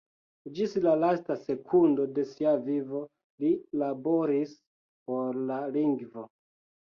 Ĝis la lasta sekundo de sia vivo li laboris por la lingvo.